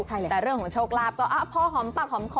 แต่เรื่องของโชคลาภก็พอหอมปากหอมคอ